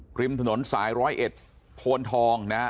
กริมถนนสาย๑๐๑พลทองนะฮะ